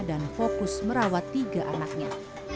dan fokus merawat tiga anaknya